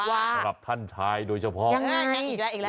ว่าอย่างไรอีกแล้วอีกแล้วสำหรับท่านชายโดยเฉพาะ